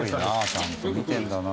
ちゃんと見てるんだな。